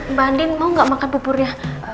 mbak andin mau nggak makan bubur ya